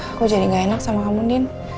aku jadi gak enak sama kamu din